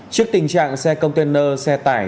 trước tình trạng xe container xe tải